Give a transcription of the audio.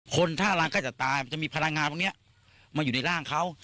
ท่ารังก็จะตายมันจะมีพลังงานพวกนี้มาอยู่ในร่างเขา